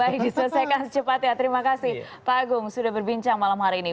baik diselesaikan secepatnya terima kasih pak agung sudah berbincang malam hari ini